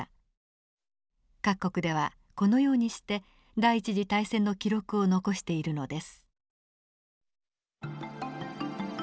各国ではこのようにして第一次大戦の記録を残しているのです。